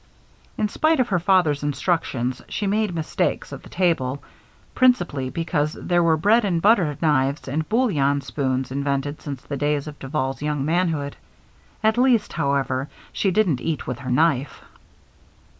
In spite of her father's instructions, she made mistakes at the table, principally because there were bread and butter knives and bouillon spoons invented since the days of Duval's young manhood. At least, however, she didn't eat with her knife.